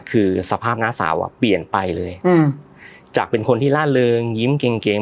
คือสภาพน้าสาวอ่ะเปลี่ยนไปเลยอืมจากเป็นคนที่ล่าเริงยิ้มเก่งเกง